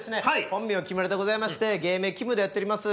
本名木村でございまして芸名きむでやっております。